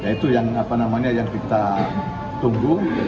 itu yang kita tunggu